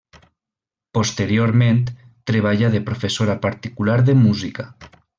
Posteriorment, treballà de professora particular de música.